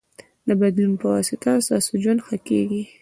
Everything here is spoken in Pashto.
د بدلون پواسطه ستاسو ژوند ښه کېږي.